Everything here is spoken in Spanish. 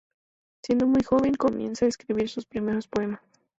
Siendo muy joven comienza a escribir sus primeros poemas.